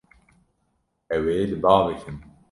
Ew ê li ba bikin.